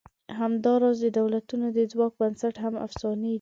همدا راز د دولتونو د ځواک بنسټ هم افسانې دي.